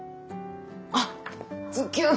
あっズッキュン！